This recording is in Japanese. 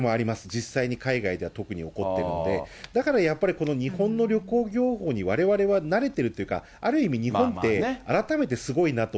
実際に海外では特に起こってるので、だからやっぱり、日本の旅行業法にわれわれは慣れてるっていうか、ある意味、日本って、改めてすごいなと。